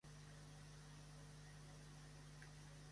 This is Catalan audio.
Viu de la teva saviesa pràctica i deixa'ns viure de tu!